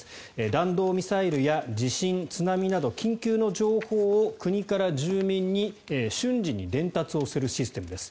弾道ミサイルや地震、津波など緊急の情報を国から住民に瞬時に伝達するシステムです。